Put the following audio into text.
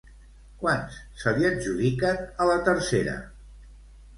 Quants se li adjudiquen a la tercera?